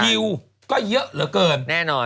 คิวก็เยอะเหลือเกิน